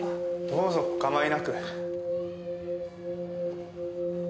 どうぞお構いなく。